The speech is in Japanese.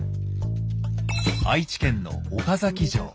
愛知県の岡崎城。